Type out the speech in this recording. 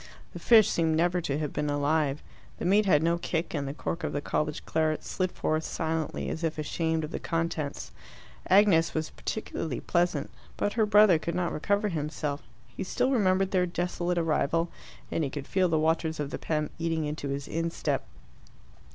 The fish seemed never to have been alive, the meat had no kick, and the cork of the college claret slid forth silently, as if ashamed of the contents. Agnes was particularly pleasant. But her brother could not recover himself. He still remembered their desolate arrival, and he could feel the waters of the Pem eating into his instep.